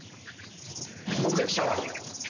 目撃者は？